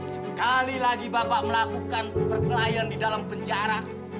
sekali lagi bapak melakukan perkelahian di dalam penjara